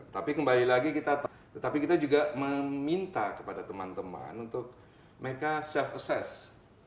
tapi kembali lagi tetapi kita juga meminta kepada teman teman untuk mereka self assess